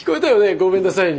「ごめんなさい」に。